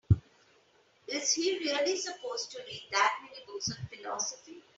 Is he really supposed to read that many books on philosophy?